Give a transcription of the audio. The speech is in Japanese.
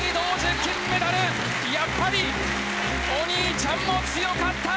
やっぱりお兄ちゃんも強かった！